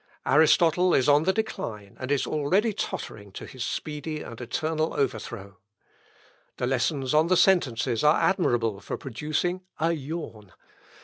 Aristotle is on the decline, and is already tottering to his speedy and eternal overthrow. The lessons on the sentences are admirable for producing a yawn.